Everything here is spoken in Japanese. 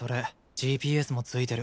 ＧＰＳも付いてる。